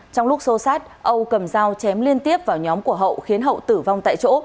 trong lúc xô sát âu cầm dao chém liên tiếp vào nhóm của hậu khiến hậu tử vong tại chỗ